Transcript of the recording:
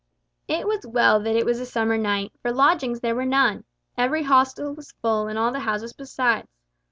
It was well that it was a summer night, for lodgings there were none. Every hostel was full and all the houses besides.